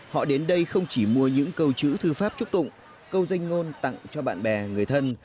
họ đến đây không chỉ mua những câu chữ thư pháp chúc tụng câu danh ngôn tặng cho bạn bè người thân